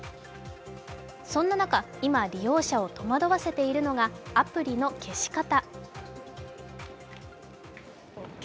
そんな中、今、利用者を戸惑わせているのがアプリの消し方。